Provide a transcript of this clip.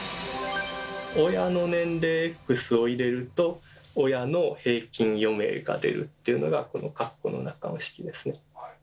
親の年齢「Ｘ」を入れると親の平均余命が出るっていうのがこのカッコの中の式ですね。